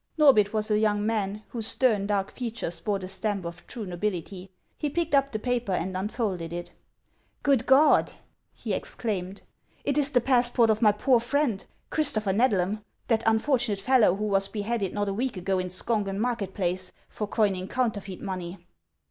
Norbith was a young man, whose stern, dark features bore the stamp of true nobility. He picked up the paper and unfolded it. "Good God! "he exclaimed, " it is the passport of my poor friend, Christopher Xedlam, that unfortunate fellow who was beheaded not a week ago in Skongen market place, for coining counterfeit money."